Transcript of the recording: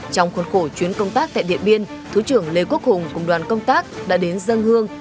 trong khuôn khổ chuyến công tác tại điện biên thứ trưởng lê quốc hùng cùng đoàn công tác đã đến dân hương